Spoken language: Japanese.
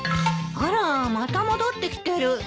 あらまた戻ってきてる。